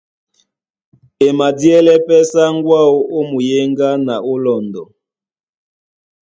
E madíɛlɛ́ pɛ́ sáŋgó áō ó muyéŋgá na ó lɔndɔ.